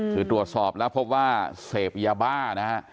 คือดวชสอบแล้วพบว่าเสพยาบ้า